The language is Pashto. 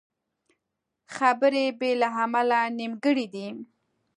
خبرې بې له عمله نیمګړې دي